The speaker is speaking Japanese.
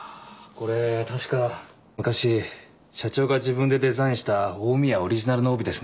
これ確か昔社長が自分でデザインした近江屋オリジナルの帯ですね。